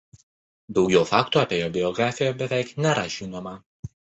Daugiau faktų apie jo biografiją beveik nėra žinoma.